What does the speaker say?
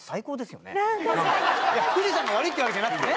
いや富士山が悪いってわけじゃなくてね。